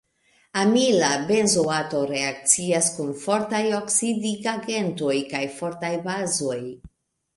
Amila benzoato reakcias kun fortaj oksidigagentoj kaj fortaj bazoj.